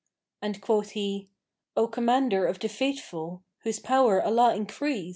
And quoth he, "O Commander of the Faithful (whose power Allah increase!)